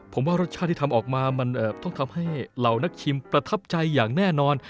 ผมว่ารสชาติที่ทำออกมามันต้องทำให้เหล่านักชิมประทับใจอย่างแน่นอน